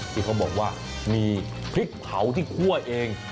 ที่เขาบอกว่ามีพริกเผาที่คั่วเอง